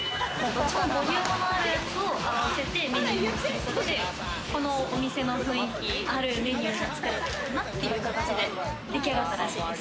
ボリュームのあるものを合わせてメニューにしてることで、このお店の雰囲気あるメニューかなという形で出来上がったらしいです。